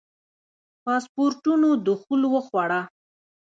پاسپورټونو دخول وخوړه.